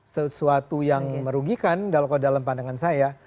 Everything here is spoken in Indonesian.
sesuatu yang merugikan dalam pandangan saya